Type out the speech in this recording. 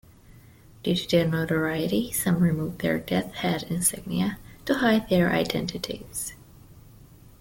Due to their notoriety, some removed their "death head" insignia to hide their identities.